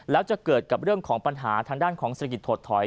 แล้วจะเกิดกับเรื่องของปัญหาทางด้านของเศรษฐกิจถดถอย